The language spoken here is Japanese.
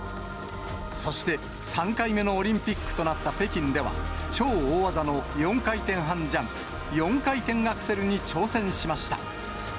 そして３回目のオリンピックとなった北京では、超大技の４回転半ジャンプ、４回転アクセルに挑戦しました。